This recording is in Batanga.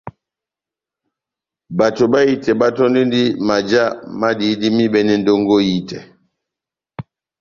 Bato bahitɛ batɔ́ndindi majá ma dihidi m'ibɛne ndongo ehitɛ.